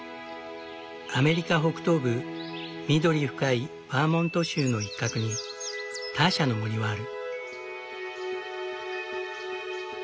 アメリカ北東部緑深いバーモント州の一角にターシャの森はある。